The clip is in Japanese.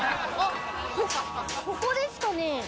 ここですかね？